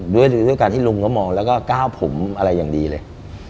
ด้วยการที่ลุงมองก้าวผูมอะไรอย่างดีเลย